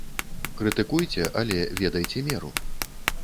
Крытыкуйце, але ведайце меру!